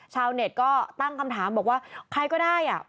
ชาวเน็ตก็ตั้งคำถามบอกว่าใครก็ได้อ่ะ